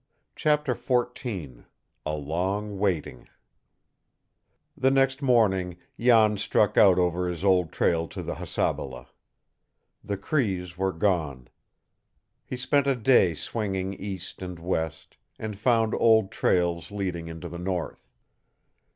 CHAPTER XIV A LONG WAITING The next morning Jan struck out over his old trail to the Hasabala. The Crees were gone. He spent a day swinging east and west, and found old trails leading into the north.